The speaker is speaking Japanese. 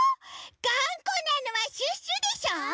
がんこなのはシュッシュでしょ！